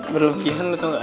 berlebihan lo tau gak